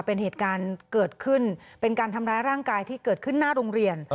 เป็นเหตุการณ์เกิดขึ้นเป็นการทำร้ายร่างกายที่เกิดขึ้นหน้าโรงเรียน